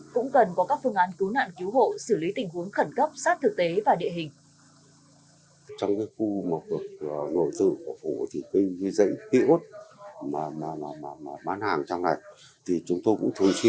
cũng cần có các phương án cứu nạn cứu hộ xử lý tình huống khẩn cấp sát thực tế và địa hình